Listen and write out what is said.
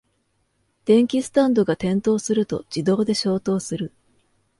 電気スタンドが転倒すると自動で消灯する